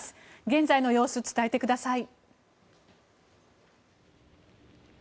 現在の様子、伝えてください。